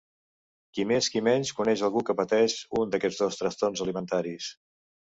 Qui més qui menys coneix algú que pateix un d’aquests dos trastorns alimentaris.